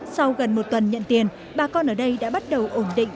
sau gần một tuần nhận tiền bà con ở đây đã bắt đầu ổn định